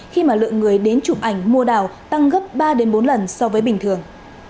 khi mà lượng người đến chụp ảnh mua đảo tăng gấp ba bốn lần so với bình thường